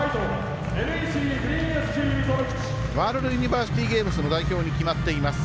ワールドユニバーシティーゲームスの代表に決まっています。